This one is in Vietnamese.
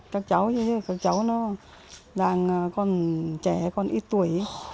các cháu chứ các cháu nó đang còn trẻ còn ít tuổi